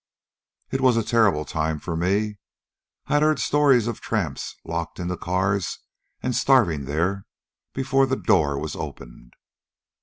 "It was a terrible time for me. I had heard stories of tramps locked into cars and starving there before the door was opened.